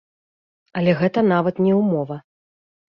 Але гэта нават не ўмова.